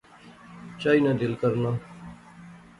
چائی نا دل کرنا